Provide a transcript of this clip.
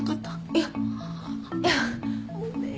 いやいや。ごめん。